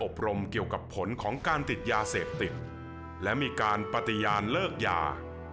รมเกี่ยวกับผลของการติดยาเสพติดและมีการปฏิญาณเลิกยา